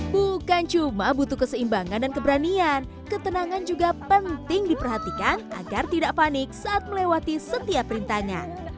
bukan cuma butuh keseimbangan dan keberanian ketenangan juga penting diperhatikan agar tidak panik saat melewati setiap rintangan